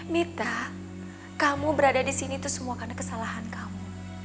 mita kamu berada di sini itu semua karena kesalahan kamu